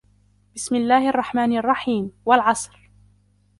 بسم الله الرحمن الرحيم والعصر